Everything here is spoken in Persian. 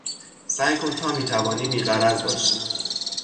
سعی کن تا میتوانی بی غرض باشی.